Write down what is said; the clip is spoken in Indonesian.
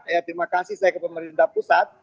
ya terima kasih saya ke pemerintah pusat